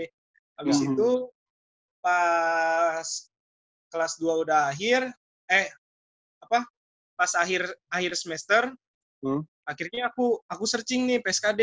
habis itu pas kelas dua udah akhir eh pas akhir semester akhirnya aku searching nih pskd